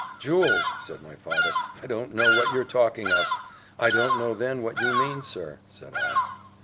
"Jewels!" said my father; "I don't know what you are talking of." "I don't know then what you mean, sir," said I.